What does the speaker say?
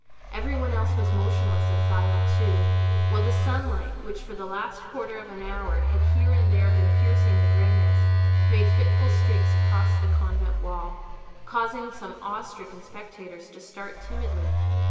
Every one else was motionless and silent too, while the sunlight, which for the last quarter of an hour had here and there been piercing the greyness, made fitful streaks across the convent wall, causing some awe stricken spectators to start timidly.